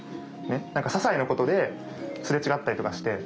ささいなことですれ違ったりとかして。